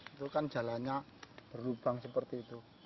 itu kan jalannya berlubang seperti itu